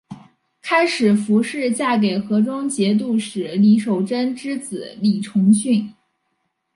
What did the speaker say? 开始符氏嫁给河中节度使李守贞之子李崇训。